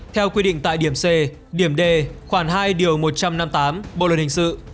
theo quy định tại điểm c điểm d khoảng hai điều một trăm năm mươi